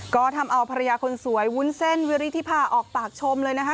ก็ทำเอาภรรยาคนสวยวุ้นเส้นวิริธิภาออกปากชมเลยนะคะ